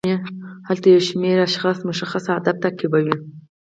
هلته یو شمیر اشخاص مشخص اهداف تعقیبوي.